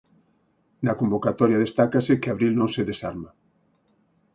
Na convocatoria destácase que Abril non se desarma.